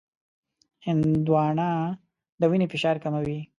هندوانه د وینې فشار کموي.